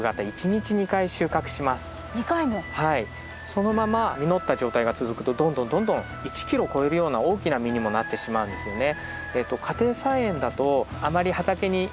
そのまま実った状態が続くとどんどんどんどん１キロを超えるような大きな実にもなってしまうんですよね。